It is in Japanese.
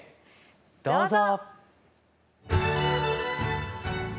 どうぞ。